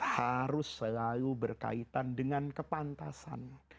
harus selalu berkaitan dengan kepantasan